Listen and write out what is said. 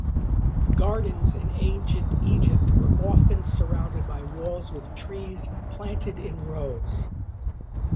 Gardens in ancient Egypt were often surrounded by walls with trees planted in rows.